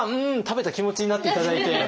食べた気持ちになって頂いて。